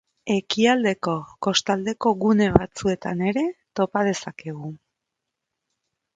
Ekialdeko kostaldeko gune batzuetan ere topa dezakegu.